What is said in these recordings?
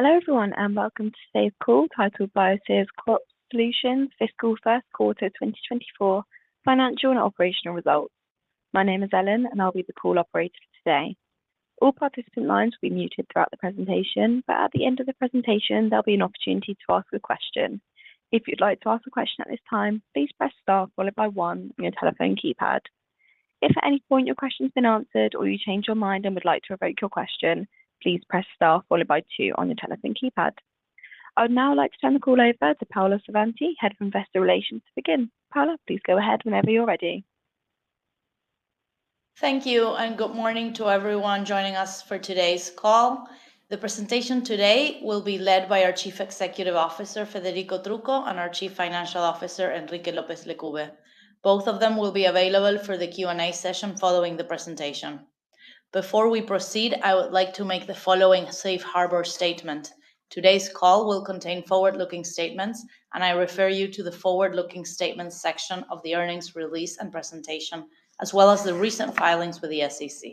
Hello, everyone, and welcome to today's call titled Bioceres Crop Solutions Fiscal First Quarter 2024 Financial and Operational Results. My name is Ellen, and I'll be the call operator for today. All participant lines will be muted throughout the presentation, but at the end of the presentation, there'll be an opportunity to ask a question. If you'd like to ask a question at this time, please press star followed by one on your telephone keypad. If at any point your question's been answered, or you change your mind and would like to revoke your question, please press star followed by two on your telephone keypad. I would now like to turn the call over to Paula Savanti, Head of Investor Relations, to begin. Paula, please go ahead whenever you're ready. Thank you, and good morning to everyone joining us for today's call. The presentation today will be led by our Chief Executive Officer, Federico Trucco, and our Chief Financial Officer, Enrique López Lecube. Both of them will be available for the Q&A session following the presentation. Before we proceed, I would like to make the following safe harbor statement. Today's call will contain forward-looking statements, and I refer you to the forward-looking statements section of the earnings release and presentation, as well as the recent filings with the SEC.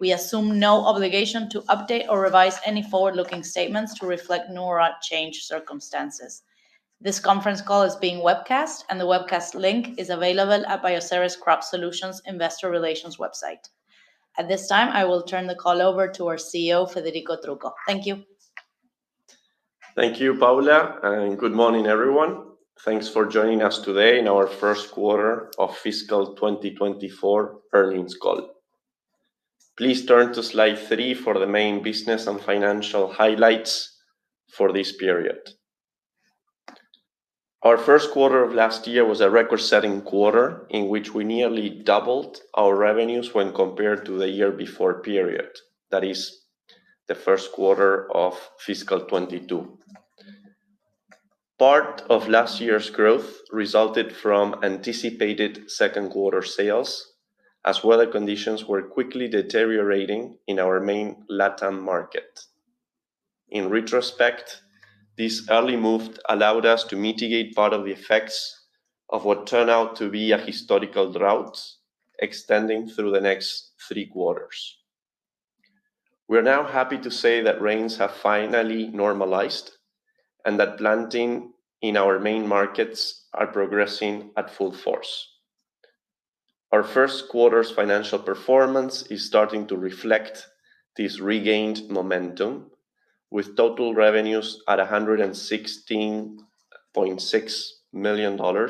We assume no obligation to update or revise any forward-looking statements to reflect new or changed circumstances. This conference call is being webcast, and the webcast link is available at Bioceres Crop Solutions' Investor Relations website. At this time, I will turn the call over to our CEO, Federico Trucco. Thank you. Thank you, Paula, and good morning, everyone. Thanks for joining us today in our first quarter of fiscal 2024 earnings call. Please turn to slide 3 for the main business and financial highlights for this period. Our first quarter of last year was a record-setting quarter in which we nearly doubled our revenues when compared to the year before period, that is, the first quarter of fiscal 2022. Part of last year's growth resulted from anticipated second quarter sales, as weather conditions were quickly deteriorating in our main LatAm market. In retrospect, this early move allowed us to mitigate part of the effects of what turned out to be a historical drought extending through the next three quarters. We're now happy to say that rains have finally normalized and that planting in our main markets are progressing at full force. Our first quarter's financial performance is starting to reflect this regained momentum, with total revenues at $116.6 million,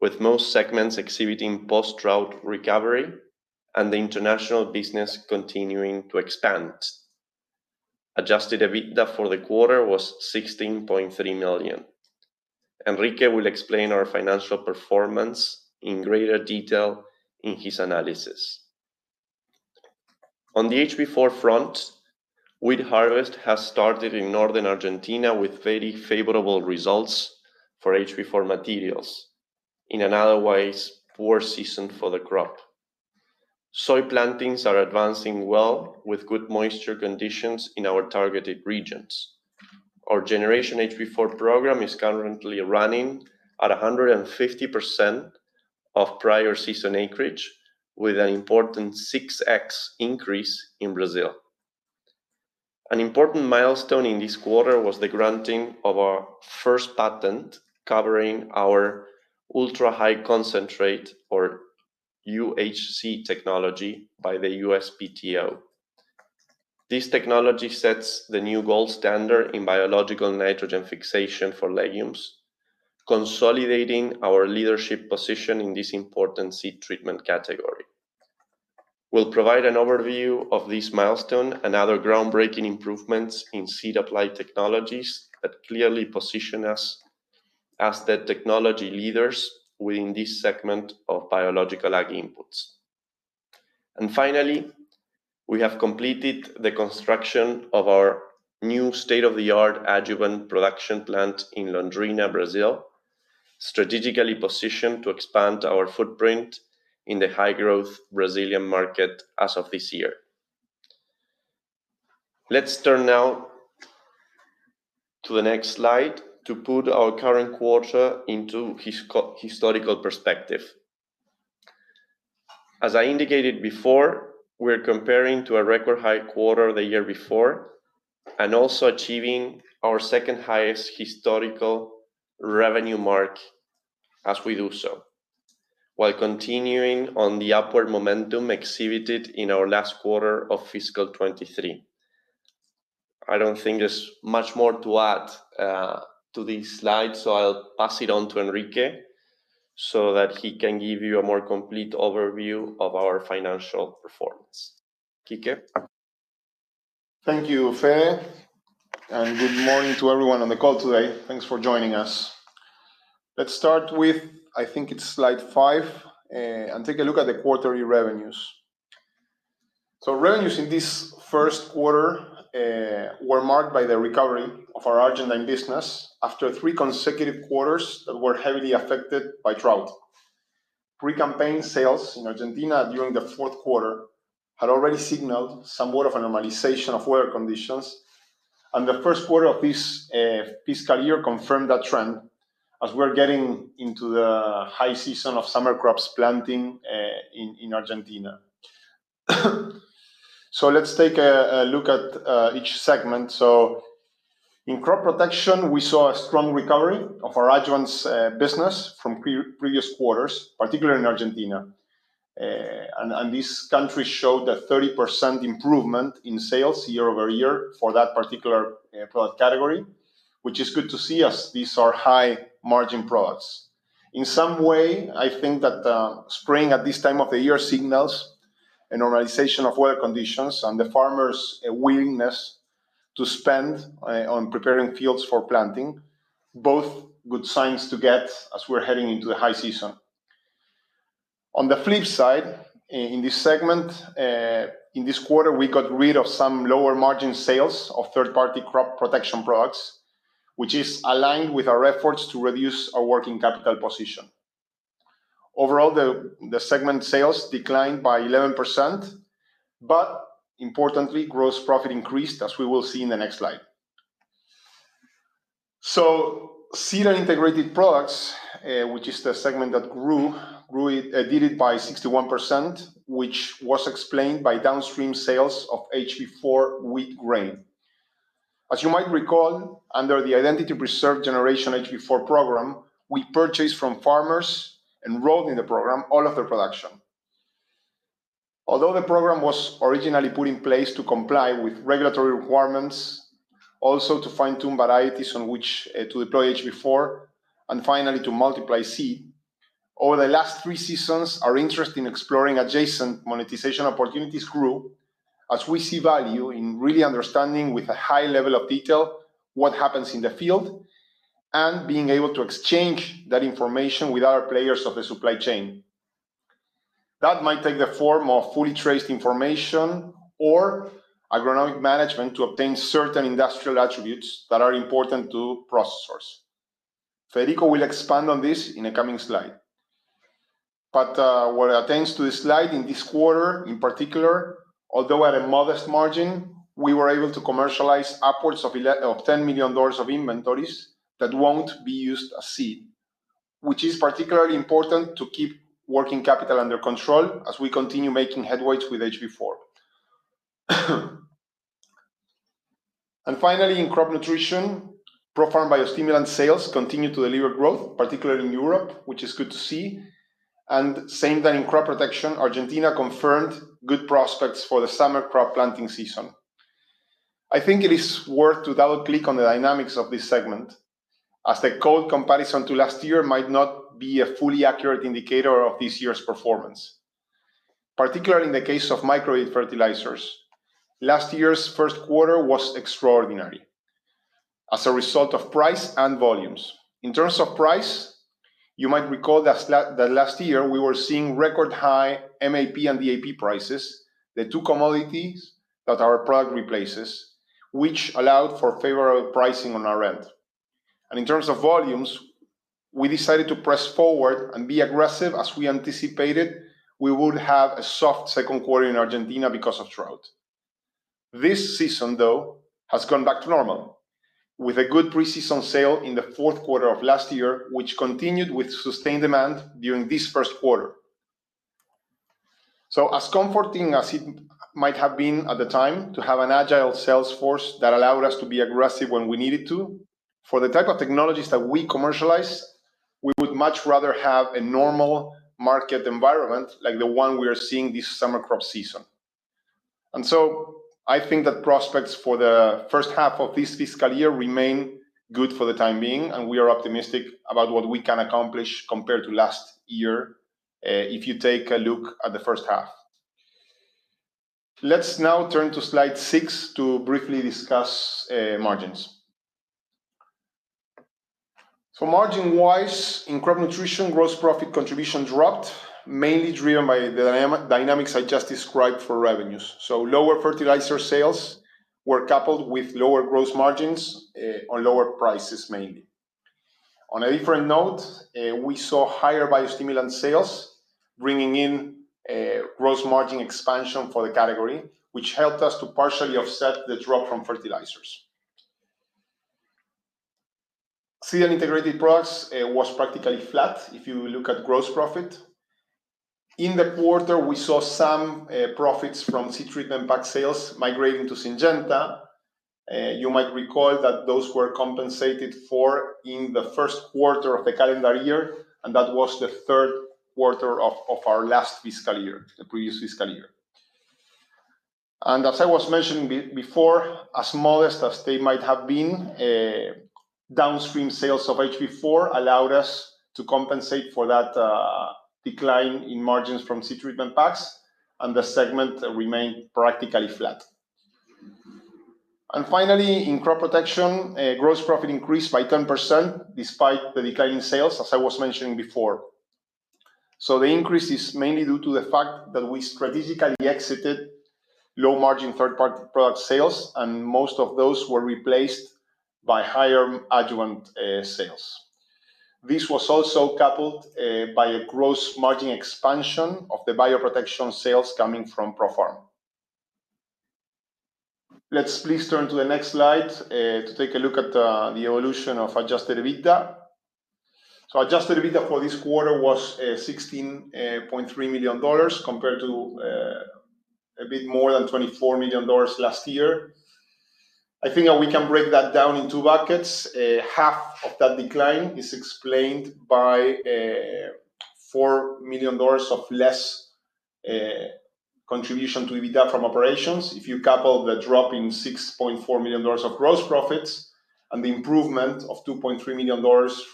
with most segments exhibiting post-drought recovery and the international business continuing to expand. Adjusted EBITDA for the quarter was $16.3 million. Enrique will explain our financial performance in greater detail in his analysis. On the HB4 front, wheat harvest has started in northern Argentina with very favorable results for HB4 materials in an otherwise poor season for the crop. Soy plantings are advancing well, with good moisture conditions in our targeted regions. Our Generation HB4 program is currently running at 150% of prior season acreage, with an important 6x increase in Brazil. An important milestone in this quarter was the granting of our first patent covering our ultra-high concentrate, or UHC technology, by the USPTO. This technology sets the new gold standard in biological nitrogen fixation for legumes, consolidating our leadership position in this important seed treatment category. We'll provide an overview of this milestone and other groundbreaking improvements in seed applied technologies that clearly position us as the technology leaders within this segment of biological ag inputs. And finally, we have completed the construction of our new state-of-the-art adjuvant production plant in Londrina, Brazil, strategically positioned to expand our footprint in the high-growth Brazilian market as of this year. Let's turn now to the next slide to put our current quarter into historical perspective. As I indicated before, we're comparing to a record high quarter the year before and also achieving our second highest historical revenue mark as we do so, while continuing on the upward momentum exhibited in our last quarter of fiscal 2023. I don't think there's much more to add, to this slide, so I'll pass it on to Enrique so that he can give you a more complete overview of our financial performance. Quique? Thank you, Fede, and good morning to everyone on the call today. Thanks for joining us. Let's start with, I think it's slide 5, and take a look at the quarterly revenues. So revenues in this first quarter were marked by the recovery of our Argentine business after 3 consecutive quarters that were heavily affected by drought. Pre-campaign sales in Argentina during the fourth quarter had already signaled somewhat of a normalization of weather conditions, and the first quarter of this fiscal year confirmed that trend as we're getting into the high season of summer crops planting in Argentina. So let's take a look at each segment. So in crop protection, we saw a strong recovery of our adjuvants business from previous quarters, particularly in Argentina. And this country showed a 30% improvement in sales year-over-year for that particular product category, which is good to see as these are high-margin products. In some way, I think that the spring at this time of the year signals a normalization of weather conditions and the farmers' willingness to spend on preparing fields for planting, both good signs to get as we're heading into the high season. On the flip side, in this segment, in this quarter, we got rid of some lower margin sales of third-party crop protection products, which is aligned with our efforts to reduce our working capital position. Overall, the segment sales declined by 11%, but importantly, gross profit increased, as we will see in the next slide. So Seeds and Integrated Products, which is the segment that grew, grew it, did it by 61%, which was explained by downstream sales of HB4 wheat grain. As you might recall, under the Identity Preserved Generation HB4 program, we purchased from farmers enrolled in the program, all of their production. Although the program was originally put in place to comply with regulatory requirements, also to fine-tune varieties on which to deploy HB4, and finally, to multiply seed, over the last three seasons, our interest in exploring adjacent monetization opportunities grew, as we see value in really understanding with a high level of detail what happens in the field, and being able to exchange that information with our players of the supply chain. That might take the form of fully traced information or agronomic management to obtain certain industrial attributes that are important to processors. Federico will expand on this in a coming slide. But what pertains to this slide, in this quarter, in particular, although at a modest margin, we were able to commercialize upwards of $10 million of inventories that won't be used as seed, which is particularly important to keep working capital under control as we continue making headwinds with HB4. And finally, in crop nutrition, ProFarm biostimulant sales continued to deliver growth, particularly in Europe, which is good to see. And same than in crop protection, Argentina confirmed good prospects for the summer crop planting season. I think it is worth to double-click on the dynamics of this segment, as the cold comparison to last year might not be a fully accurate indicator of this year's performance, particularly in the case of micro fertilizers. Last year's first quarter was extraordinary as a result of price and volumes. In terms of price, you might recall that that last year, we were seeing record high MAP and DAP prices, the two commodities that our product replaces, which allowed for favorable pricing on our end. In terms of volumes, we decided to press forward and be aggressive as we anticipated we would have a soft second quarter in Argentina because of drought. This season, though, has gone back to normal, with a good pre-season sale in the fourth quarter of last year, which continued with sustained demand during this first quarter. As comforting as it might have been at the time to have an agile sales force that allowed us to be aggressive when we needed to, for the type of technologies that we commercialize, we would much rather have a normal market environment like the one we are seeing this summer crop season. I think that prospects for the first half of this fiscal year remain good for the time being, and we are optimistic about what we can accomplish compared to last year, if you take a look at the first half. Let's now turn to slide six to briefly discuss margins. Margin-wise, in crop nutrition, gross profit contribution dropped, mainly driven by the dynamics I just described for revenues. Lower fertilizer sales were coupled with lower gross margins on lower prices, mainly. On a different note, we saw higher biostimulant sales, bringing in a gross margin expansion for the category, which helped us to partially offset the drop from fertilizers. Seed and Integrated Products was practically flat, if you look at gross profit. In the quarter, we saw some profits from seed treatment pack sales migrating to Syngenta. You might recall that those were compensated for in the first quarter of the calendar year, and that was the third quarter of our last fiscal year, the previous fiscal year. As I was mentioning before, as modest as they might have been, downstream sales of HB4 allowed us to compensate for that decline in margins from seed treatment packs, and the segment remained practically flat. Finally, in crop protection, gross profit increased by 10% despite the decline in sales, as I was mentioning before. The increase is mainly due to the fact that we strategically exited low-margin third-party product sales, and most of those were replaced by higher adjuvant sales. This was also coupled by a gross margin expansion of the bioprotection sales coming from ProFarm.... Let's please turn to the next slide to take a look at the evolution of adjusted EBITDA. So adjusted EBITDA for this quarter was $16.3 million, compared to a bit more than $24 million last year. I think that we can break that down in two buckets. Half of that decline is explained by $4 million of less contribution to EBITDA from operations. If you couple the drop in $6.4 million of gross profits and the improvement of $2.3 million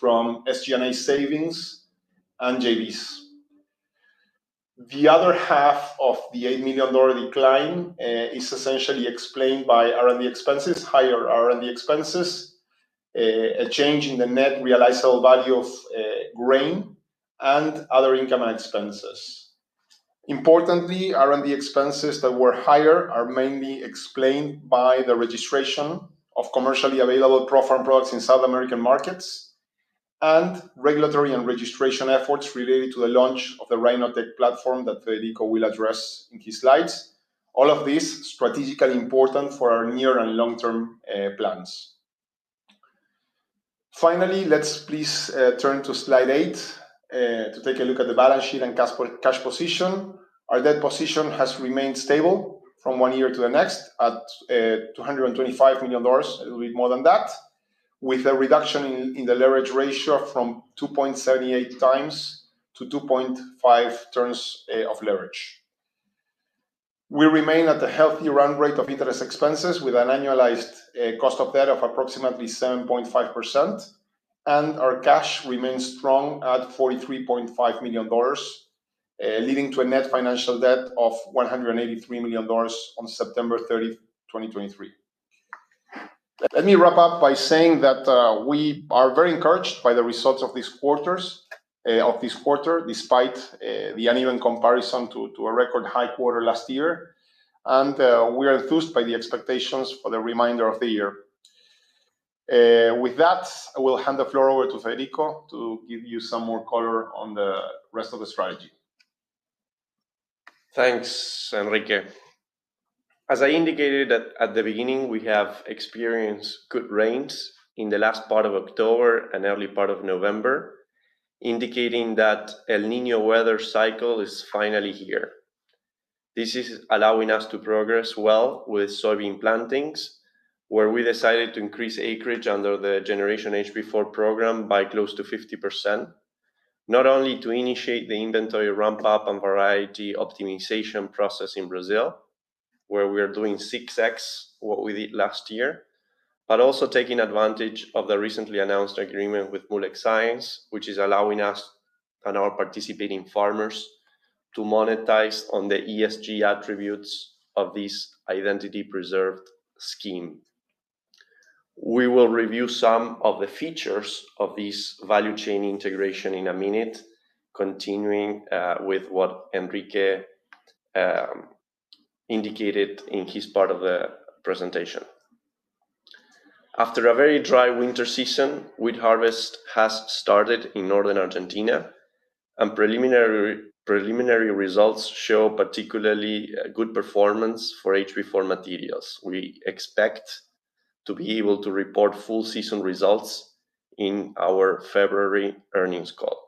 from SG&A savings and JVs. The other half of the $8 million decline is essentially explained by R&D expenses, higher R&D expenses, a change in the net realizable value of grain and other income and expenses. Importantly, R&D expenses that were higher are mainly explained by the registration of commercially available ProFarm products in South American markets, and regulatory and registration efforts related to the launch of the RinoTec platform that Federico will address in his slides. All of this strategically important for our near and long-term plans. Finally, let's please turn to slide 8 to take a look at the balance sheet and cash position. Our debt position has remained stable from one year to the next, at $225 million, a little bit more than that, with a reduction in the leverage ratio from 2.78 times to 2.5 turns of leverage. We remain at a healthy run rate of interest expenses, with an annualized cost of debt of approximately 7.5%, and our cash remains strong at $43.5 million, leading to a net financial debt of $183 million on September 30, 2023. Let me wrap up by saying that we are very encouraged by the results of these quarters of this quarter, despite the uneven comparison to a record high quarter last year. And we are enthused by the expectations for the remainder of the year. With that, I will hand the floor over to Federico to give you some more color on the rest of the strategy. Thanks, Enrique. As I indicated at the beginning, we have experienced good rains in the last part of October and early part of November, indicating that El Niño weather cycle is finally here. This is allowing us to progress well with soybean plantings, where we decided to increase acreage under the Generation HB4 program by close to 50%. Not only to initiate the inventory ramp-up and variety optimization process in Brazil, where we are doing 6x what we did last year, but also taking advantage of the recently announced agreement with Moolec Science, which is allowing us and our participating farmers to monetize on the ESG attributes of this Identity Preserved scheme. We will review some of the features of this value chain integration in a minute, continuing with what Enrique indicated in his part of the presentation. After a very dry winter season, wheat harvest has started in northern Argentina, and preliminary results show particularly good performance for HB4 materials. We expect to be able to report full season results in our February earnings call.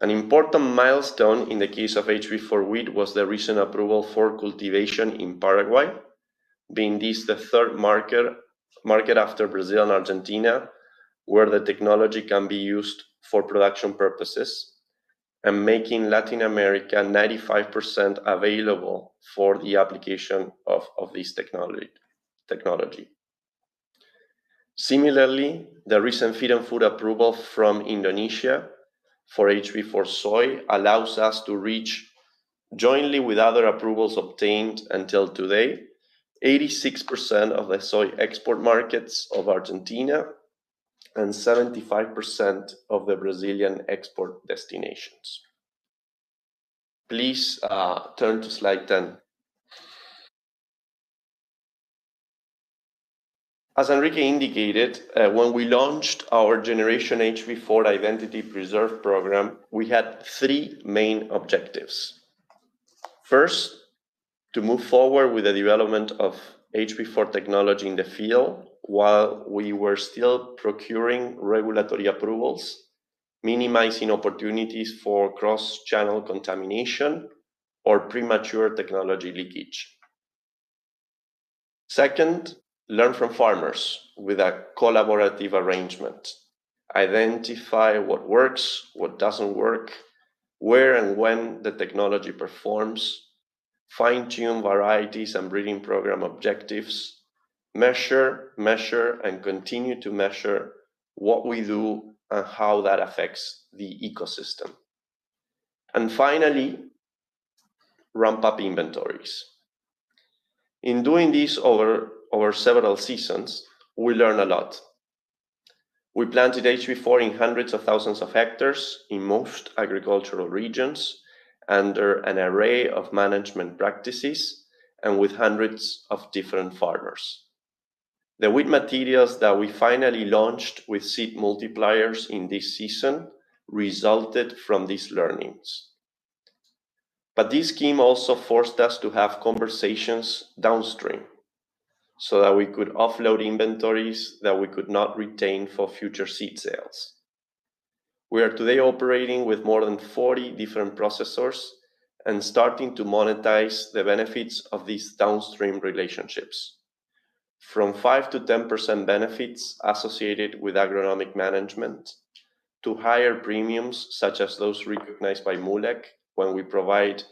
An important milestone in the case of HB4 wheat was the recent approval for cultivation in Paraguay, being this the third market after Brazil and Argentina, where the technology can be used for production purposes, and making Latin America 95% available for the application of this technology. Similarly, the recent feed and food approval from Indonesia for HB4 soy allows us to reach, jointly with other approvals obtained until today, 86% of the soy export markets of Argentina and 75% of the Brazilian export destinations. Please turn to slide 10. As Enrique indicated, when we launched our Generation HB4 Identity Preserved program, we had three main objectives. First, to move forward with the development of HB4 technology in the field while we were still procuring regulatory approvals, minimizing opportunities for cross-channel contamination or premature technology leakage. Second, learn from farmers with a collaborative arrangement. Identify what works, what doesn't work, where and when the technology performs, fine-tune varieties and breeding program objectives, measure, measure, and continue to measure what we do and how that affects the ecosystem. And finally, ramp up inventories. In doing this over several seasons, we learn a lot. We planted HB4 in hundreds of thousands of hectares in most agricultural regions, under an array of management practices and with hundreds of different farmers. The wheat materials that we finally launched with seed multipliers in this season resulted from these learnings. But this scheme also forced us to have conversations downstream so that we could offload inventories that we could not retain for future seed sales. We are today operating with more than 40 different processors and starting to monetize the benefits of these downstream relationships. From 5%-10% benefits associated with agronomic management, to higher premiums, such as those recognized by Moolec, when we provide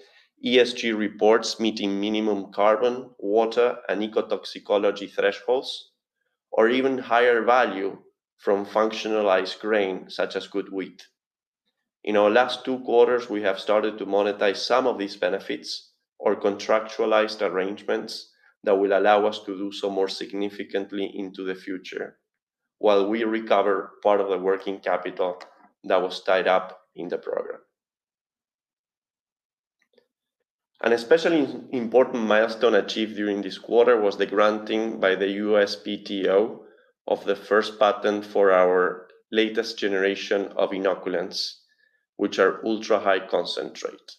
ESG reports meeting minimum carbon, water, and ecotoxicology thresholds, or even higher value from functionalized grain, such as GoodWheat. In our last two quarters, we have started to monetize some of these benefits or contractualized arrangements that will allow us to do so more significantly into the future, while we recover part of the working capital that was tied up in the program. An especially important milestone achieved during this quarter was the granting by the USPTO of the first patent for our latest generation of inoculants, which are ultra-high concentrate.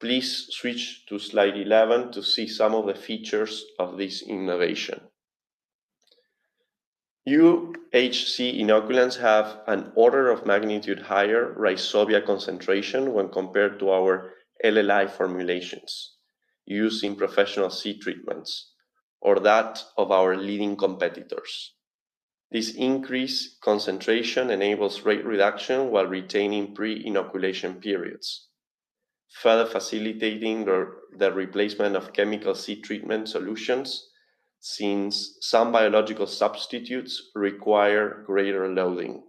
Please switch to slide 11 to see some of the features of this innovation. UHC inoculants have an order of magnitude higher rhizobia concentration when compared to our LLI formulations used in professional seed treatments or that of our leading competitors. This increased concentration enables rate reduction while retaining pre-inoculation periods, further facilitating the replacement of chemical seed treatment solutions, since some biological substitutes require greater loading.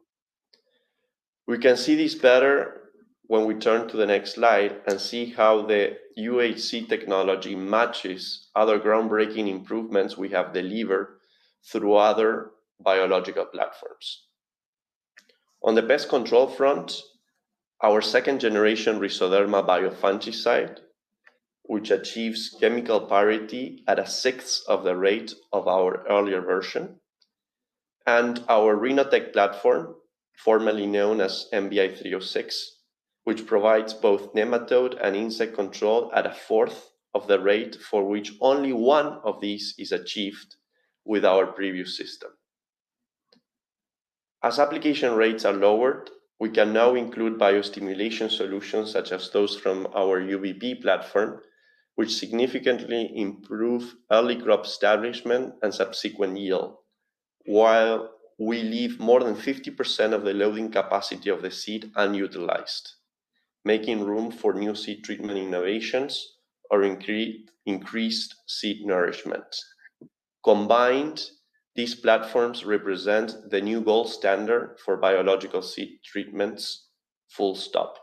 We can see this better when we turn to the next slide and see how the UHC technology matches other groundbreaking improvements we have delivered through other biological platforms. On the pest control front, our second generation Rizoderma biofungicide, which achieves chemical parity at a sixth of the rate of our earlier version, and our Rizotec platform, formerly known as MBI 306, which provides both nematode and insect control at a fourth of the rate for which only one of these is achieved with our previous system. As application rates are lowered, we can now include biostimulation solutions, such as those from our UBP platform, which significantly improve early crop establishment and subsequent yield. While we leave more than 50% of the loading capacity of the seed unutilized, making room for new seed treatment innovations or increased seed nourishment. Combined, these platforms represent the new gold standard for biological seed treatments, full stop.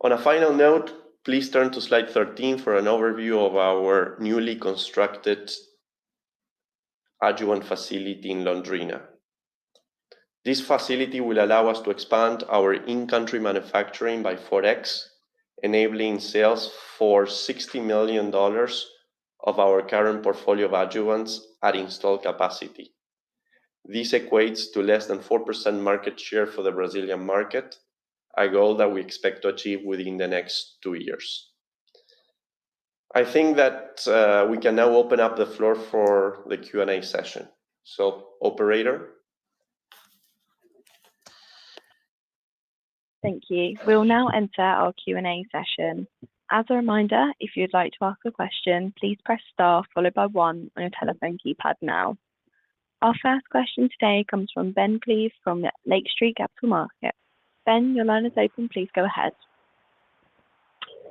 On a final note, please turn to slide 13 for an overview of our newly constructed adjuvant facility in Londrina. This facility will allow us to expand our in-country manufacturing by 4x, enabling sales for $60 million of our current portfolio of adjuvants at install capacity. This equates to less than 4% market share for the Brazilian market, a goal that we expect to achieve within the next two years. I think that we can now open up the floor for the Q&A session. So, operator? Thank you. We'll now enter our Q&A session. As a reminder, if you'd like to ask a question, please press star followed by one on your telephone keypad now. Our first question today comes from Ben Theiss from Lake Street Capital Markets. Ben, your line is open. Please go ahead.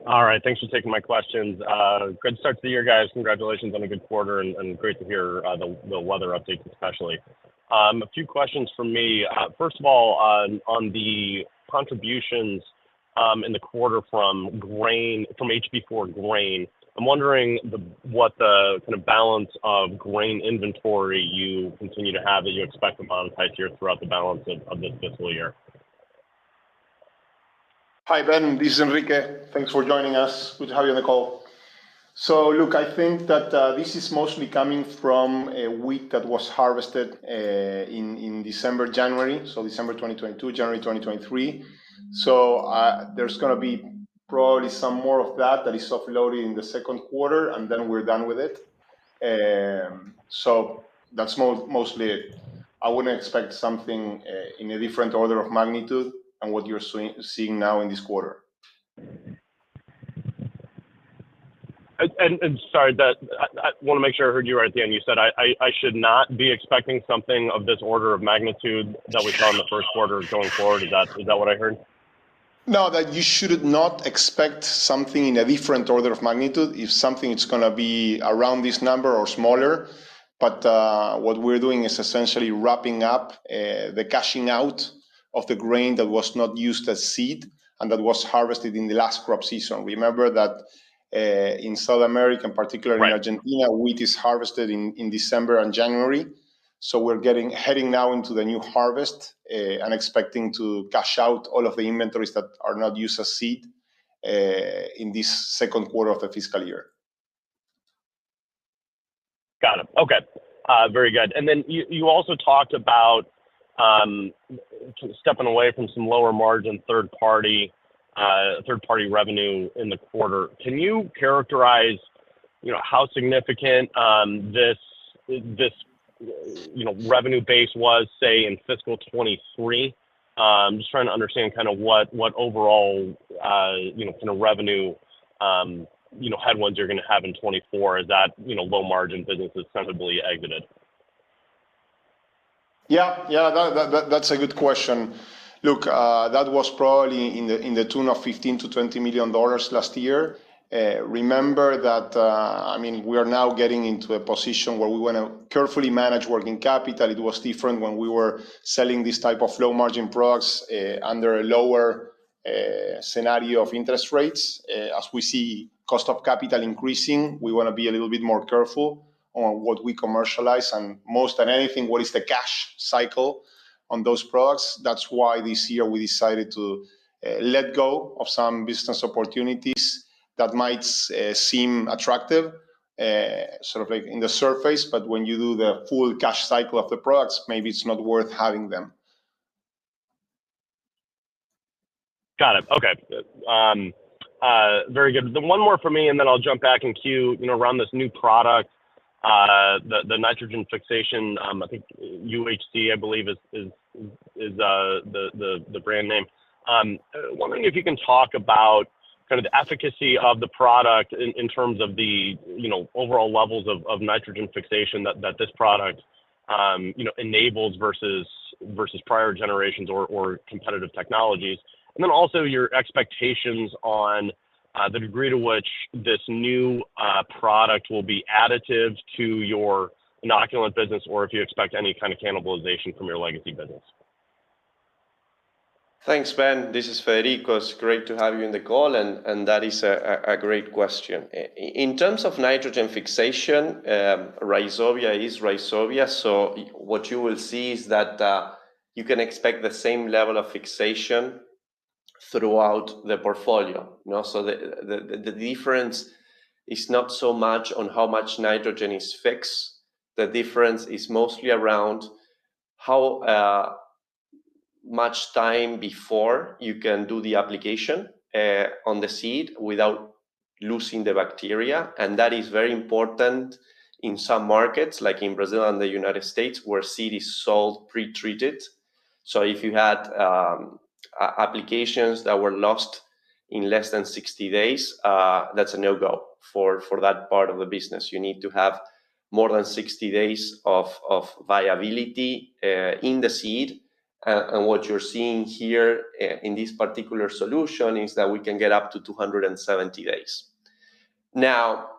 All right, thanks for taking my questions. Good start to the year, guys. Congratulations on a good quarter, and great to hear the weather update, especially. A few questions from me. First of all, on the contributions in the quarter from grain, from HB4 grain, I'm wondering what the kind of balance of grain inventory you continue to have, that you expect to monetize here throughout the balance of this fiscal year? Hi, Ben. This is Enrique. Thanks for joining us. Good to have you on the call. So look, I think that this is mostly coming from a wheat that was harvested in December, January. So December 2022, January 2023. So there's gonna be probably some more of that that is offloading in the second quarter, and then we're done with it. So that's mostly it. I wouldn't expect something in a different order of magnitude than what you're seeing now in this quarter. Sorry, that I wanna make sure I heard you right there, and you said I should not be expecting something of this order of magnitude that we saw in the first quarter going forward. Is that what I heard? No, that you should not expect something in a different order of magnitude. If something, it's gonna be around this number or smaller. But, what we're doing is essentially wrapping up, the cashing out of the grain that was not used as seed and that was harvested in the last crop season. Remember that, in South America, and particularly- Right In Argentina, wheat is harvested in December and January. So we're getting heading now into the new harvest, and expecting to cash out all of the inventories that are not used as seed in this second quarter of the fiscal year. Got it. Okay. Very good. And then you, you also talked about stepping away from some lower margin, third party, third-party revenue in the quarter. Can you characterize, you know, how significant this, you know, revenue base was, say, in fiscal 2023? Just trying to understand kind of what, what overall, you know, kind of revenue, you know, headwinds you're going to have in 2024 as that, you know, low-margin business is sensibly exited. Yeah, yeah, that, that's a good question. Look, that was probably to the tune of $15 million-$20 million last year. Remember that, I mean, we are now getting into a position where we want to carefully manage working capital. It was different when we were selling this type of low-margin products under a lower scenario of interest rates. As we see cost of capital increasing, we want to be a little bit more careful on what we commercialize and more than anything, what is the cash cycle on those products. That's why this year we decided to let go of some business opportunities that might seem attractive, sort of, like, on the surface, but when you do the full cash cycle of the products, maybe it's not worth having them. Got it. Okay. Very good. Then one more for me, and then I'll jump back in queue. You know, around this new product, the nitrogen fixation, I think UHC, I believe, is the brand name. Wondering if you can talk about kind of the efficacy of the product in terms of the, you know, overall levels of nitrogen fixation that this product, you know, enables versus prior generations or competitive technologies. And then also your expectations on the degree to which this new product will be additive to your inoculant business, or if you expect any kind of cannibalization from your legacy business. Thanks, Ben. This is Federico. It's great to have you on the call, and that is a great question. In terms of nitrogen fixation, Rhizobia is Rhizobia, so what you will see is that you can expect the same level of fixation throughout the portfolio. You know, so the difference is not so much on how much nitrogen is fixed. The difference is mostly around how much time before you can do the application on the seed without losing the bacteria, and that is very important in some markets, like in Brazil and the United States, where seed is sold pretreated. So if you had applications that were lost in less than 60 days, that's a no-go for that part of the business. You need to have more than 60 days of viability in the seed. and what you're seeing here, in this particular solution is that we can get up to 270 days. That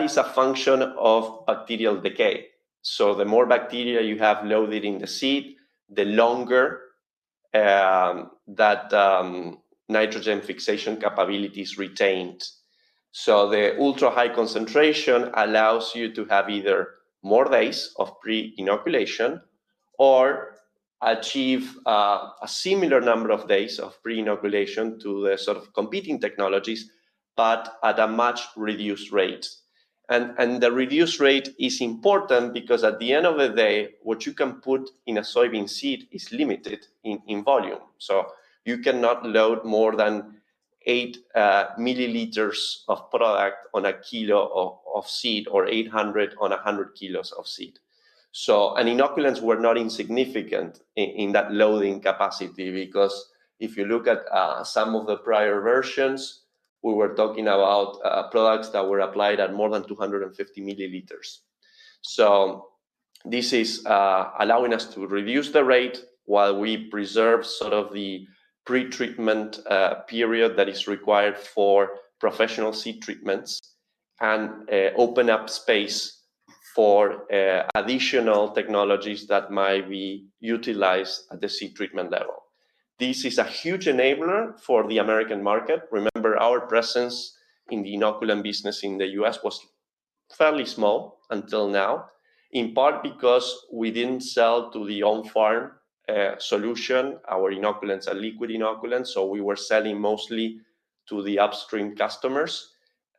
is a function of bacterial decay. So the more bacteria you have loaded in the seed, the longer that nitrogen fixation capability is retained. So the ultra-high concentration allows you to have either more days of pre-inoculation or achieve a similar number of days of pre-inoculation to the sort of competing technologies, but at a much reduced rate. And the reduced rate is important because at the end of the day, what you can put in a soybean seed is limited in volume. So you cannot load more than 8 ml of product on a kilo of seed or 800 on 100 kilos of seed. Inoculants were not insignificant in that loading capacity because if you look at some of the prior versions, we were talking about products that were applied at more than 250 milliliters. So this is allowing us to reduce the rate while we preserve sort of the pretreatment period that is required for professional seed treatments and open up space for additional technologies that might be utilized at the seed treatment level. This is a huge enabler for the American market. Remember, our presence in the inoculant business in the U.S. was fairly small until now, in part because we didn't sell to the on-farm solution. Our inoculants are liquid inoculants, so we were selling mostly to the upstream customers,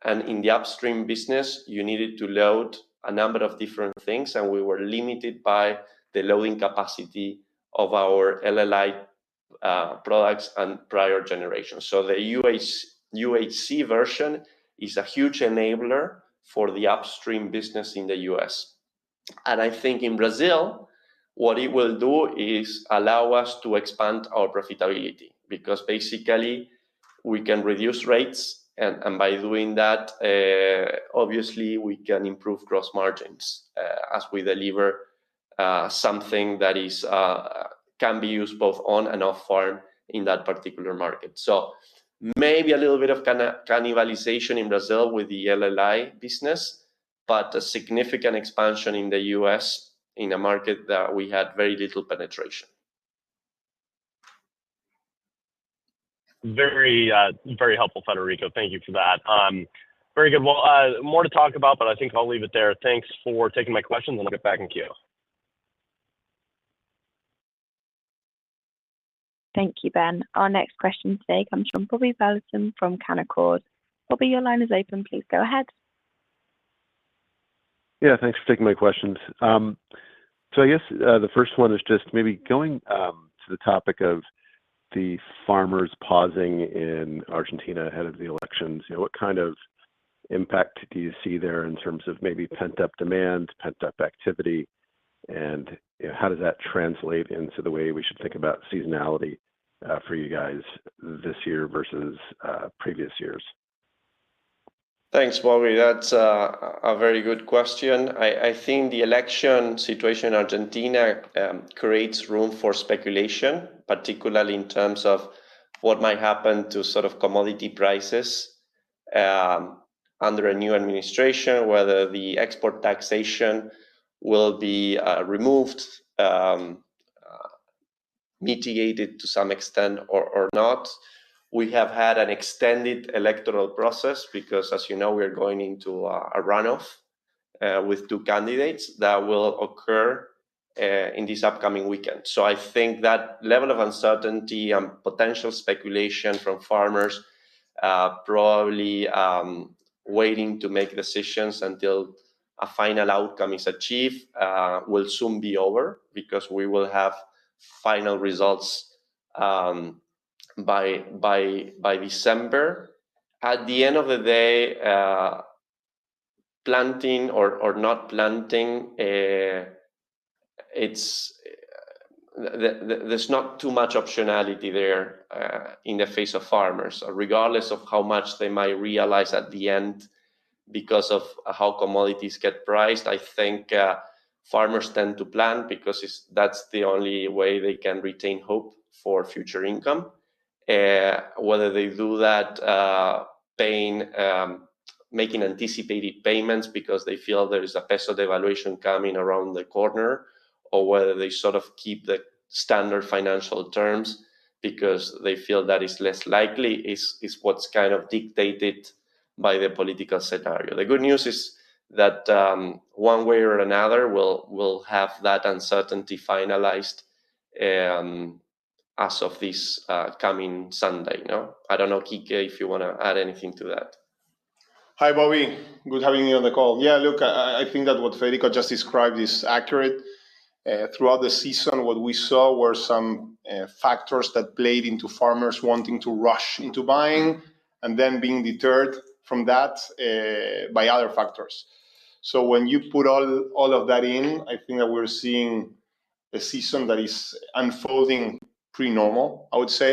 and in the upstream business, you needed to load a number of different things, and we were limited by the loading capacity of our LLI products and prior generations. So the UHC version is a huge enabler for the upstream business in the U.S. And I think in Brazil, what it will do is allow us to expand our profitability, because basically we can reduce rates, and by doing that, obviously, we can improve gross margins, as we deliver something that can be used both on and off-farm in that particular market. So maybe a little bit of cannibalization in Brazil with the LLI business, but a significant expansion in the U.S., in a market that we had very little penetration. Very, very helpful, Federico. Thank you for that. Very good. Well, more to talk about, but I think I'll leave it there. Thanks for taking my question, and I'll get back in queue. Thank you, Ben. Our next question today comes from Bobby Thorson from Canaccord. Bobby, your line is open. Please go ahead. Yeah, thanks for taking my questions. So I guess the first one is just maybe going to the topic of the farmers pausing in Argentina ahead of the elections. You know, what kind of impact do you see there in terms of maybe pent-up demand, pent-up activity? And, you know, how does that translate into the way we should think about seasonality for you guys this year versus previous years? Thanks, Bobby. That's a very good question. I think the election situation in Argentina creates room for speculation, particularly in terms of what might happen to sort of commodity prices under a new administration, whether the export taxation will be removed, mitigated to some extent or not. We have had an extended electoral process because, as you know, we are going into a runoff with two candidates that will occur in this upcoming weekend. So I think that level of uncertainty and potential speculation from farmers probably waiting to make decisions until a final outcome is achieved will soon be over, because we will have final results by December. At the end of the day, planting or not planting, it's. There's not too much optionality there in the face of farmers. Regardless of how much they might realize at the end because of how commodities get priced, I think farmers tend to plant because it's—that's the only way they can retain hope for future income. Whether they do that paying making anticipated payments because they feel there is a peso devaluation coming around the corner, or whether they sort of keep the standard financial terms because they feel that is less likely, is what's kind of dictated by the political scenario. The good news is that one way or another, we'll have that uncertainty finalized as of this coming Sunday, no? I don't know, Quique, if you wanna add anything to that. Hi, Bobby. Good having you on the call. Yeah, look, I think that what Federico just described is accurate. Throughout the season, what we saw were some factors that played into farmers wanting to rush into buying and then being deterred from that by other factors. So when you put all of that in, I think that we're seeing a season that is unfolding pretty normal, I would say,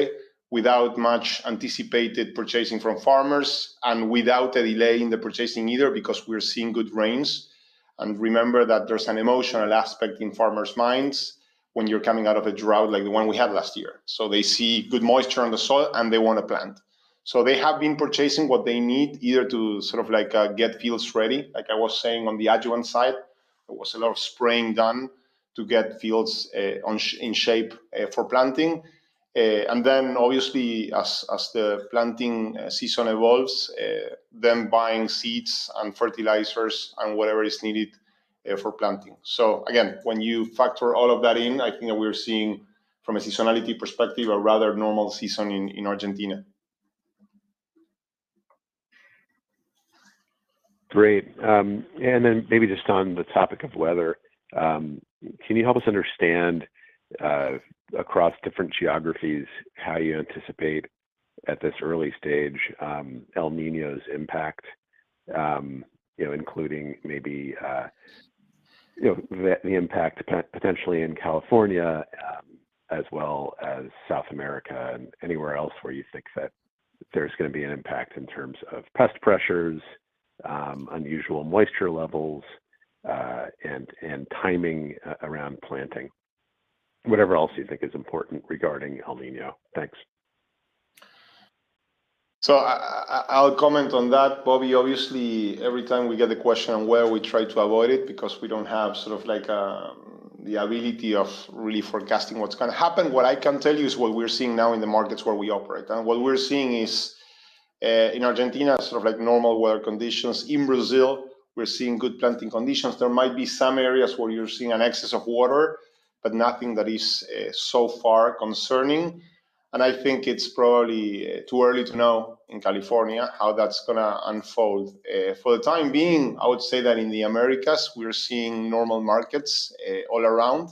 without much anticipated purchasing from farmers and without a delay in the purchasing either, because we're seeing good rains. And remember that there's an emotional aspect in farmers' minds when you're coming out of a drought like the one we had last year. So they see good moisture on the soil, and they want to plant. So they have been purchasing what they need, either to sort of like get fields ready. Like I was saying, on the adjuvant side, there was a lot of spraying done to get fields on in shape for planting. And then obviously, as the planting season evolves, them buying seeds and fertilizers and whatever is needed for planting. So again, when you factor all of that in, I think that we're seeing, from a seasonality perspective, a rather normal season in Argentina. Great. And then maybe just on the topic of weather, can you help us understand, across different geographies, how you anticipate at this early stage, El Niño's impact? You know, including maybe, you know, the impact potentially in California, as well as South America and anywhere else where you think that there's gonna be an impact in terms of pest pressures, unusual moisture levels, and timing around planting. Whatever else you think is important regarding El Niño. Thanks. So I'll comment on that, Bobby. Obviously, every time we get the question on weather, we try to avoid it because we don't have sort of like the ability of really forecasting what's gonna happen. What I can tell you is what we're seeing now in the markets where we operate, and what we're seeing is in Argentina, sort of like normal weather conditions. In Brazil, we're seeing good planting conditions. There might be some areas where you're seeing an excess of water, but nothing that is so far concerning. And I think it's probably too early to know in California how that's gonna unfold. For the time being, I would say that in the Americas, we are seeing normal markets all around,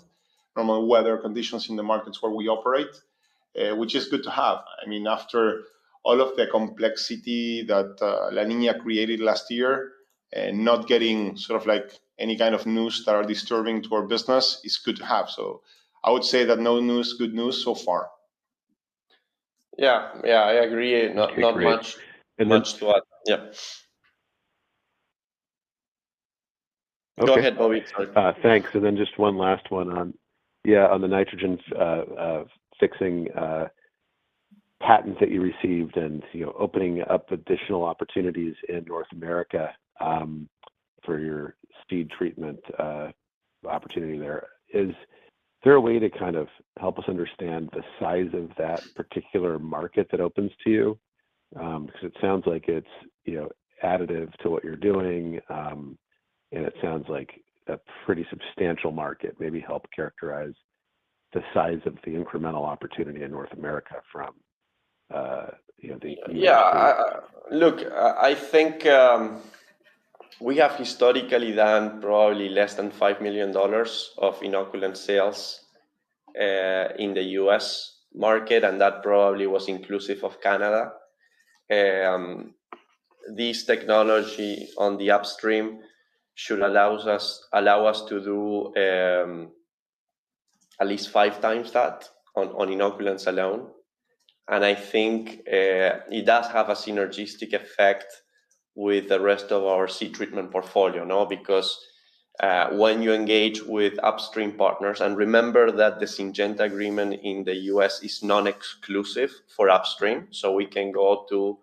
normal weather conditions in the markets where we operate, which is good to have. I mean, after all of the complexity that La Niña created last year, and not getting sort of like any kind of news that are disturbing to our business is good to have. So I would say that no news, good news so far. Yeah. Yeah, I agree. Not much- Agreed. And then- Much to add. Yeah. Okay. Go ahead, Bobby. Sorry. Thanks. And then just one last one on, yeah, on the nitrogen fixing patents that you received and, you know, opening up additional opportunities in North America for your seed treatment opportunity there. Is there a way to kind of help us understand the size of that particular market that opens to you? Because it sounds like it's, you know, additive to what you're doing, and it sounds like a pretty substantial market. Maybe help characterize the size of the incremental opportunity in North America from, you know, the- Yeah, look, I think we have historically done probably less than $5 million of inoculant sales in the U.S. market, and that probably was inclusive of Canada. This technology on the upstream should allow us to do at least five times that on inoculants alone. And I think it does have a synergistic effect with the rest of our seed treatment portfolio, no? Because when you engage with upstream partners... And remember that the Syngenta agreement in the U.S. is non-exclusive for upstream, so we can go to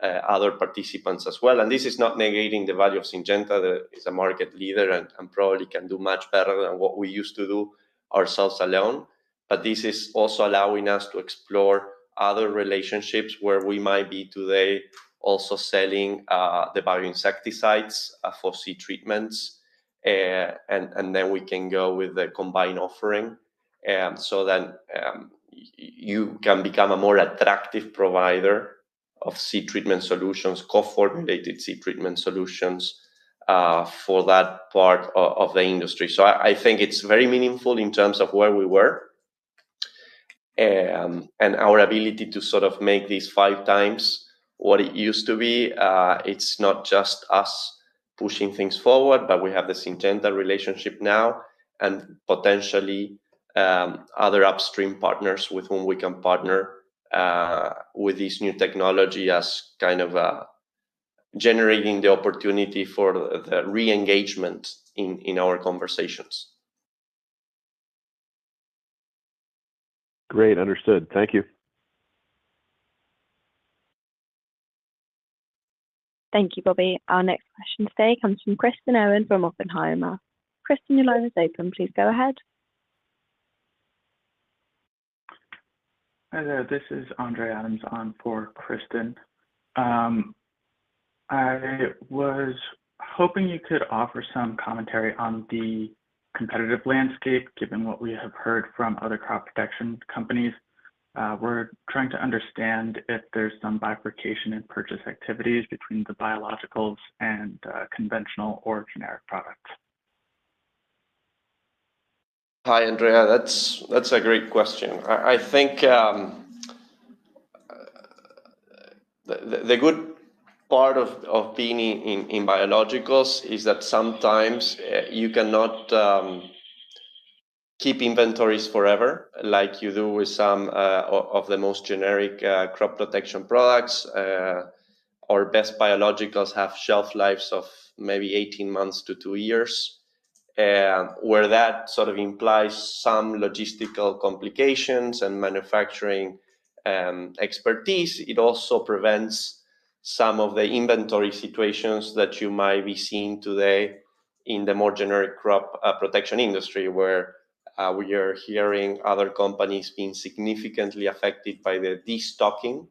other participants as well. And this is not negating the value of Syngenta. It's a market leader and probably can do much better than what we used to do ourselves alone. But this is also allowing us to explore other relationships where we might be today also selling the bioinsecticides for seed treatments. And then we can go with the combined offering. So then you can become a more attractive provider of seed treatment solutions, co-formulated seed treatment solutions, for that part of the industry. So I think it's very meaningful in terms of where we were and our ability to sort of make this five times what it used to be. It's not just us pushing things forward, but we have the Syngenta relationship now, and potentially other upstream partners with whom we can partner with this new technology as kind of generating the opportunity for the re-engagement in our conversations. Great. Understood. Thank you. Thank you, Bobby. Our next question today comes from Kristen Owen from Oppenheimer. Kristen, your line is open. Please go ahead. Hi there, this is Andrea Adams on for Kristen. I was hoping you could offer some commentary on the competitive landscape, given what we have heard from other crop protection companies. We're trying to understand if there's some bifurcation in purchase activities between the biologicals and, conventional or generic products. Hi, Andrea. That's a great question. I think the good part of being in biologicals is that sometimes you cannot keep inventories forever like you do with some of the most generic crop protection products. Our best biologicals have shelf lives of maybe 18 months to 2 years, where that sort of implies some logistical complications and manufacturing expertise. It also prevents some of the inventory situations that you might be seeing today in the more generic crop protection industry, where we are hearing other companies being significantly affected by the destocking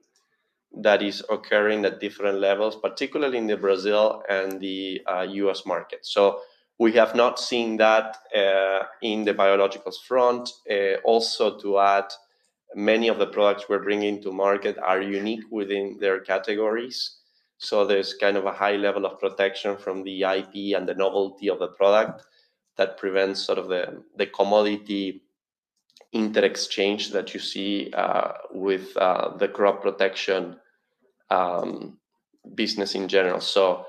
that is occurring at different levels, particularly in Brazil and the U.S. market. So we have not seen that in the biologicals front. Also to add, many of the products we're bringing to market are unique within their categories, so there's kind of a high level of protection from the IP and the novelty of the product that prevents sort of the commodity interexchange that you see with the crop protection business in general. So,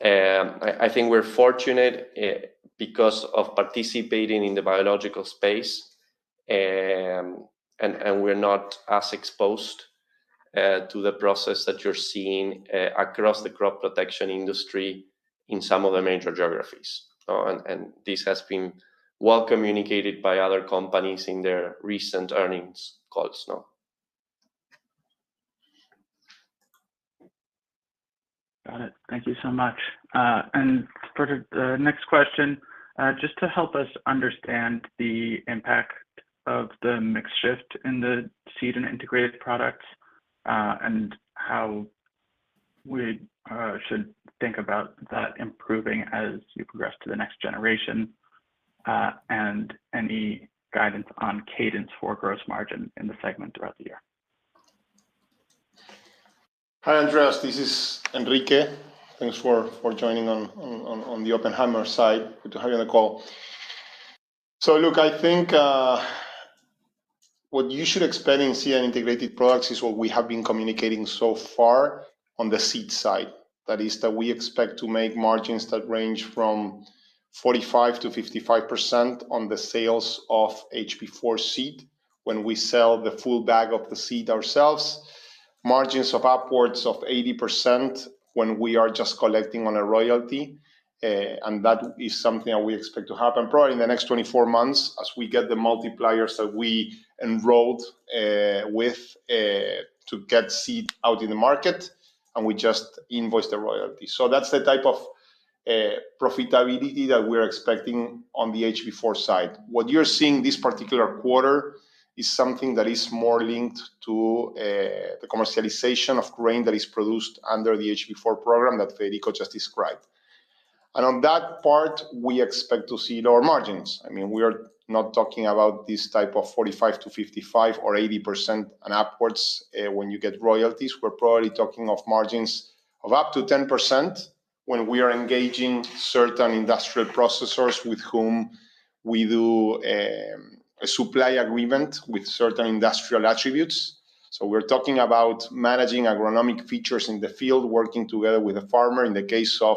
I think we're fortunate because of participating in the biological space, and we're not as exposed to the process that you're seeing across the crop protection industry in some of the major geographies. And this has been well communicated by other companies in their recent earnings calls, no? Got it. Thank you so much. For the next question, just to help us understand the impact of the mix shift in the seed and integrated products, and how we should think about that improving as you progress to the next generation, and any guidance on cadence for gross margin in the segment throughout the year? Hi, Andrea, this is Enrique. Thanks for joining on the Oppenheimer side. Good to have you on the call. So look, I think what you should expect in seed and integrated products is what we have been communicating so far on the seed side. That is that we expect to make margins that range from 45%-55% on the sales of HB4 seed when we sell the full bag of the seed ourselves, margins of upwards of 80% when we are just collecting on a royalty. And that is something that we expect to happen probably in the next 24 months as we get the multipliers that we enrolled with to get seed out in the market, and we just invoice the royalty. So that's the type of- Profitability that we're expecting on the HB4 side. What you're seeing this particular quarter is something that is more linked to, the commercialization of grain that is produced under the HB4 program that Federico just described. And on that part, we expect to see lower margins. I mean, we are not talking about this type of 45%-55% or 80% and upwards, when you get royalties. We're probably talking of margins of up to 10% when we are engaging certain industrial processors with whom we do, a supply agreement with certain industrial attributes. So we're talking about managing agronomic features in the field, working together with the farmer, in the case of,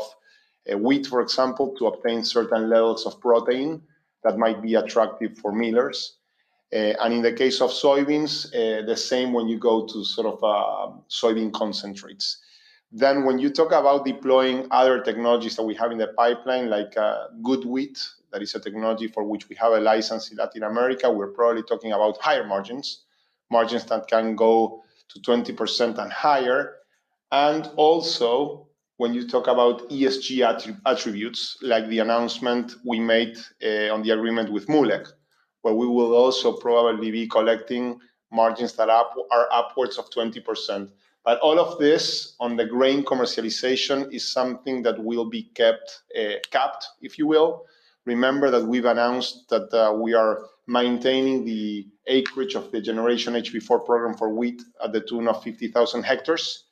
wheat, for example, to obtain certain levels of protein that might be attractive for millers. And in the case of soybeans, the same when you go to sort of soybean concentrates. Then when you talk about deploying other technologies that we have in the pipeline, like Good Wheat, that is a technology for which we have a license in Latin America, we're probably talking about higher margins, margins that can go to 20% and higher. And also, when you talk about ESG attributes, like the announcement we made on the agreement with Moolec, where we will also probably be collecting margins that are upwards of 20%. But all of this on the grain commercialization is something that will be kept capped, if you will. Remember that we've announced that we are maintaining the acreage of the Generation HB4 program for wheat at the tune of 50,000 hectares.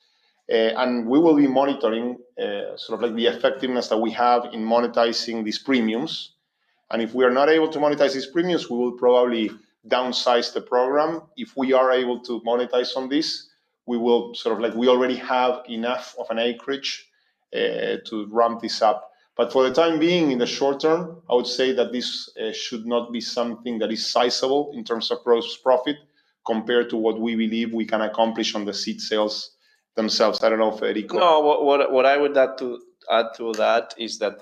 And we will be monitoring, sort of like the effectiveness that we have in monetizing these premiums, and if we are not able to monetize these premiums, we will probably downsize the program. If we are able to monetize on this, we will sort of like already have enough of an acreage to ramp this up. But for the time being, in the short term, I would say that this should not be something that is sizable in terms of gross profit, compared to what we believe we can accomplish on the seed sales themselves. I don't know if Federico- No, what I would add to that is that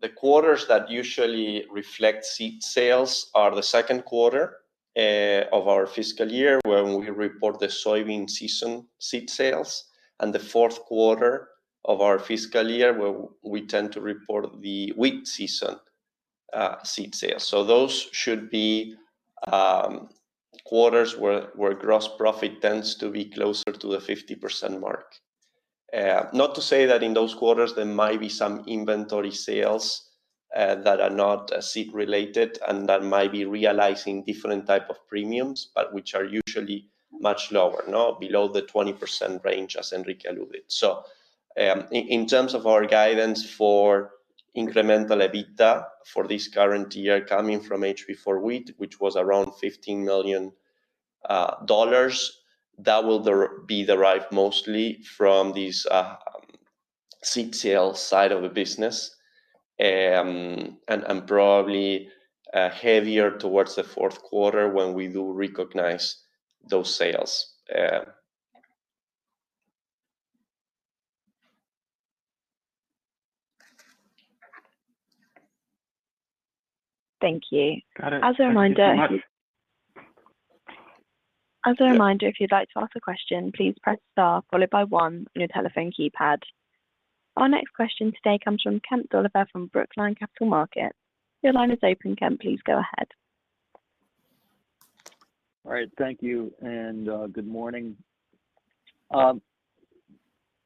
the quarters that usually reflect seed sales are the second quarter of our fiscal year, when we report the soybean season seed sales, and the fourth quarter of our fiscal year, where we tend to report the wheat season seed sales. So those should be quarters where gross profit tends to be closer to the 50% mark. Not to say that in those quarters, there might be some inventory sales that are not seed related, and that might be realizing different type of premiums, but which are usually much lower, below the 20% range, as Enrique alluded. So, in terms of our guidance for incremental EBITDA for this current year coming from HB4 wheat, which was around $15 million, that will be derived mostly from this seed sale side of the business, and probably heavier towards the fourth quarter when we do recognize those sales. Thank you. Got it. As a reminder. Thank you so much. As a reminder, if you'd like to ask a question, please press Star followed by One on your telephone keypad. Our next question today comes from Kemp Dolliver from Brookline Capital Markets. Your line is open, Kemp. Please go ahead. All right, thank you, and, good morning.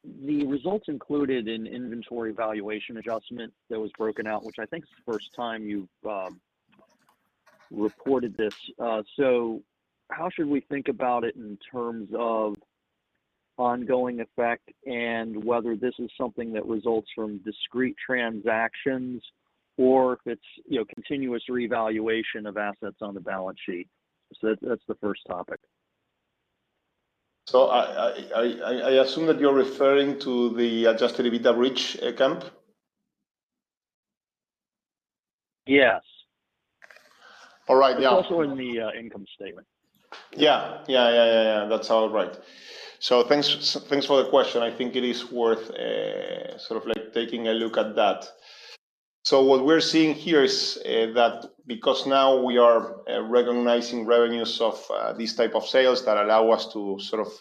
The results included an inventory valuation adjustment that was broken out, which I think is the first time you've reported this. So how should we think about it in terms of ongoing effect and whether this is something that results from discrete transactions or if it's, you know, continuous revaluation of assets on the balance sheet? So that, that's the first topic. So I assume that you're referring to the Adjusted EBITDA reach, Kemp? Yes. All right. Yeah. It's also in the income statement. Yeah. Yeah, yeah, yeah, yeah. That's all right. So thanks, thanks for the question. I think it is worth, sort of like taking a look at that. So what we're seeing here is that because now we are recognizing revenues of these type of sales that allow us to sort of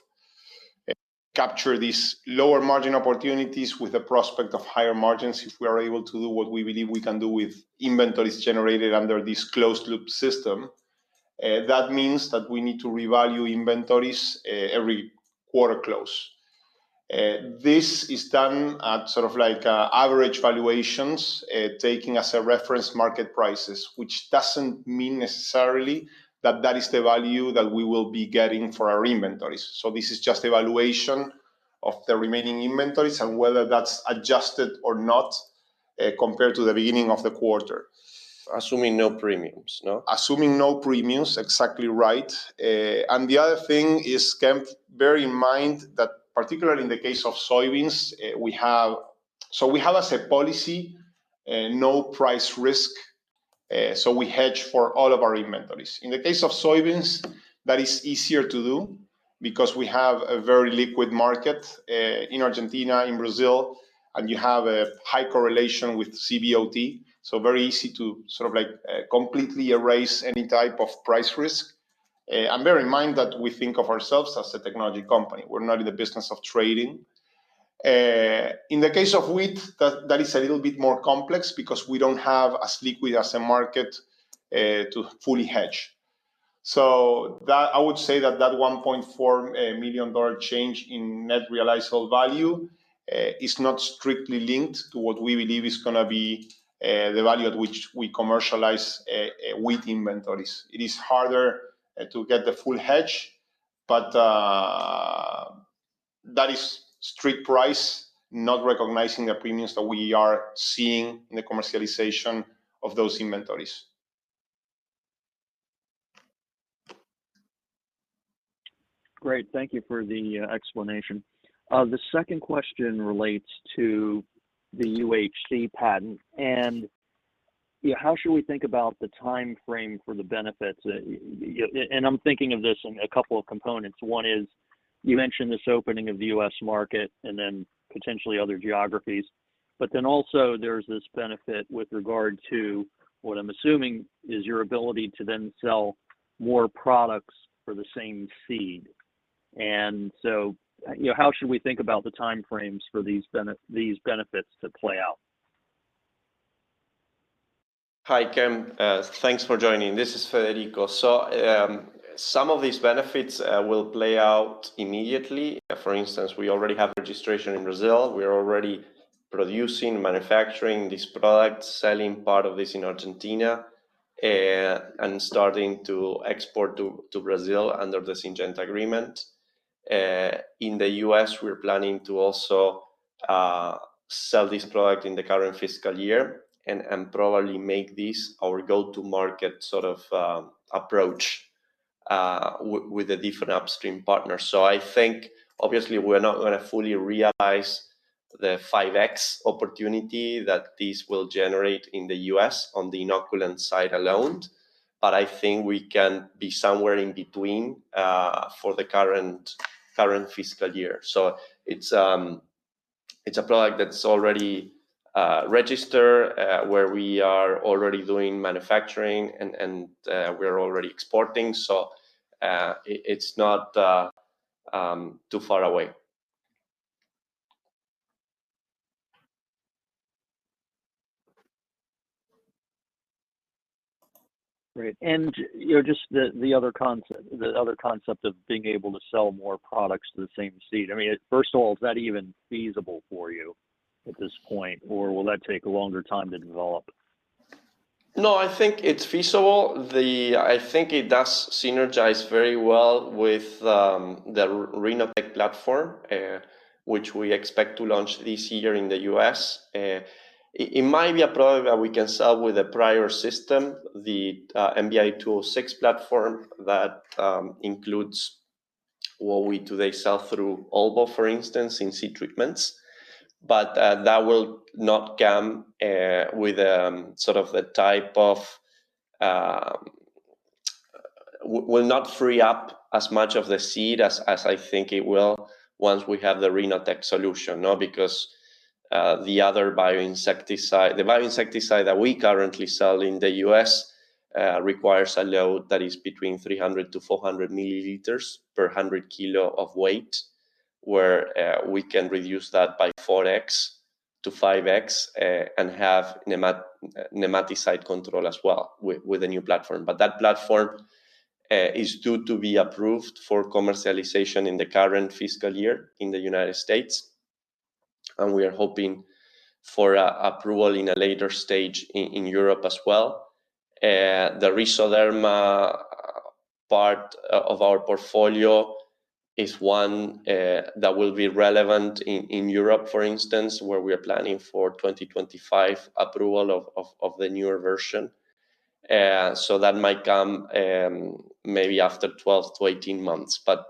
capture these lower margin opportunities with the prospect of higher margins, if we are able to do what we believe we can do with inventories generated under this closed-loop system. That means that we need to revalue inventories every quarter close. This is done at sort of like average valuations, taking as a reference market prices, which doesn't mean necessarily that that is the value that we will be getting for our inventories. This is just a valuation of the remaining inventories and whether that's adjusted or not, compared to the beginning of the quarter. Assuming no premiums, no? Assuming no premiums, exactly right. And the other thing is, Kemp, bear in mind that particularly in the case of soybeans, we have... So we have as a policy, no price risk, so we hedge for all of our inventories. In the case of soybeans, that is easier to do because we have a very liquid market, in Argentina, in Brazil, and you have a high correlation with CBOT, so very easy to sort of like, completely erase any type of price risk. Bear in mind that we think of ourselves as a technology company. We're not in the business of trading. In the case of wheat, that is a little bit more complex because we don't have as liquid as a market to fully hedge. So that I would say that $1.4 million change in net realizable value is not strictly linked to what we believe is gonna be the value at which we commercialize wheat inventories. It is harder to get the full hedge, but that is strict price, not recognizing the premiums that we are seeing in the commercialization of those inventories. Great. Thank you for the explanation. The second question relates to the UHC patent, and, you know, how should we think about the time frame for the benefits that, and I'm thinking of this in a couple of components. One is, you mentioned this opening of the US market and then potentially other geographies, but then also there's this benefit with regard to what I'm assuming is your ability to then sell more products for the same seed. And so, you know, how should we think about the time frames for these benefits to play out? Hi, Kim. Thanks for joining. This is Federico. So, some of these benefits will play out immediately. For instance, we already have registration in Brazil. We are already producing, manufacturing this product, selling part of this in Argentina, and starting to export to Brazil under the Syngenta agreement. In the U.S., we're planning to also sell this product in the current fiscal year and probably make this our go-to-market sort of approach with a different upstream partner. So I think obviously we're not gonna fully realize the 5x opportunity that this will generate in the U.S. on the inoculant side alone, but I think we can be somewhere in between for the current fiscal year. It's a product that's already registered where we are already doing manufacturing and we're already exporting, so it's not too far away. Great. And, you know, just the other concept of being able to sell more products to the same seed. I mean, first of all, is that even feasible for you at this point, or will that take a longer time to develop? No, I think it's feasible. I think it does synergize very well with the Rhenotec platform, which we expect to launch this year in the U.S. It might be a product that we can sell with a prior system, the MBI 306 platform, that includes what we today sell through Albaugh, for instance, in seed treatments. But that will not come with sort of the type of. Will not free up as much of the seed as, as I think it will once we have the Rhenotec solution, you know, because, the other bioinsecticide, the bioinsecticide that we currently sell in the U.S., requires a load that is between 300-400 milliliters per 100 kg of weight, where, we can reduce that by 4x-5x, and have nematicide control as well with, with the new platform. But that platform, is due to be approved for commercialization in the current fiscal year in the United States, and we are hoping for, approval in a later stage in, in Europe as well. The Rhizoderma part of our portfolio is one that will be relevant in Europe, for instance, where we are planning for 2025 approval of the newer version. So that might come, maybe after 12-18 months. But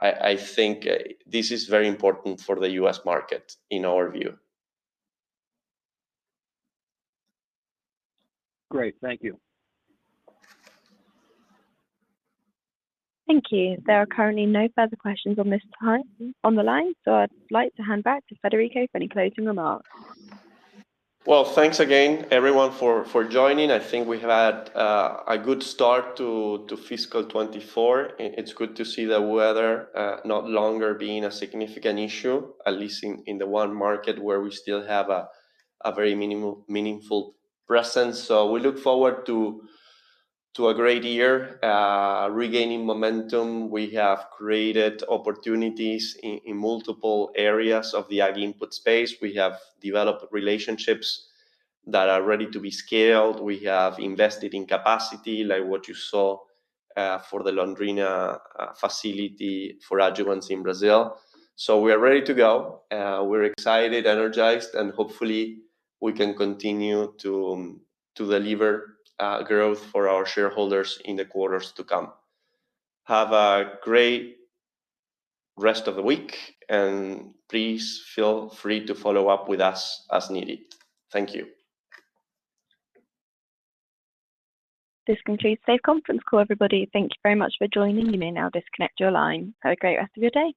I think this is very important for the U.S. market in our view. Great. Thank you. Thank you. There are currently no further questions at this time on the line, so I'd like to hand back to Federico for any closing remarks. Well, thanks again, everyone, for, for joining. I think we had a good start to fiscal 2024. It's good to see the weather no longer being a significant issue, at least in the one market where we still have a very minimal, meaningful presence. So we look forward to a great year regaining momentum. We have created opportunities in multiple areas of the ag input space. We have developed relationships that are ready to be scaled. We have invested in capacity, like what you saw, for the Londrina facility for adjuvants in Brazil. So we are ready to go. We're excited, energized, and hopefully we can continue to deliver growth for our shareholders in the quarters to come. Have a great rest of the week, and please feel free to follow up with us as needed. Thank you. This concludes today's conference call, everybody. Thank you very much for joining. You may now disconnect your line. Have a great rest of your day!